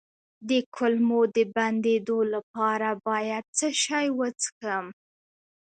د کولمو د بندیدو لپاره باید څه شی وڅښم؟